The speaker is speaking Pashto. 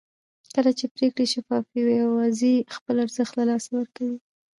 کله چې پرېکړې شفافې وي اوازې خپل ارزښت له لاسه ورکوي